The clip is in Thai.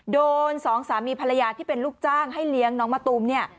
สองสามีภรรยาที่เป็นลูกจ้างให้เลี้ยงน้องมะตูมเนี่ย